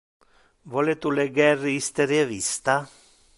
Vole tu leger iste revista?